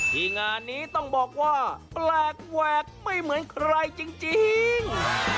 ที่งานนี้ต้องบอกว่าแปลกแหวกไม่เหมือนใครจริง